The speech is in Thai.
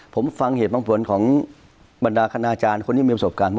ผมฟังเหตุบางผลของบรรดาคณาจารย์คนที่มีประสบการณ์